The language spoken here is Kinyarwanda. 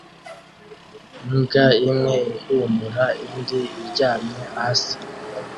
Imbwa imwe ihumura indi iryamye hasi